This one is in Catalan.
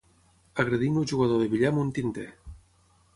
Agredim el jugador de billar amb un tinter.